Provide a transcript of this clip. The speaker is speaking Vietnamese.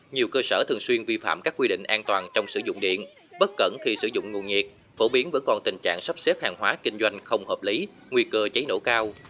nhiều cơ sở thường xuyên vi phạm các quy định an toàn trong sử dụng điện bất cẩn khi sử dụng nguồn nhiệt phổ biến vẫn còn tình trạng sắp xếp hàng hóa kinh doanh không hợp lý nguy cơ cháy nổ cao